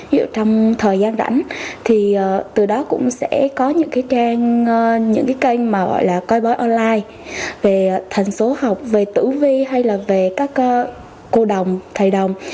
ví dụ trong thời gian rảnh thì từ đó cũng sẽ có những cái trang những cái kênh mà gọi là coi bói online về thành số học về tử vi hay là về các cô đồng thầy đồng